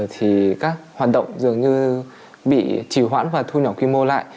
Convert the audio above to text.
thì các hoạt động dường như bị trì hoãn và thu nhỏ quy mô lại